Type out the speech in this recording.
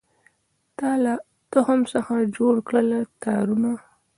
تا له تخم څخه جوړکړله تارونه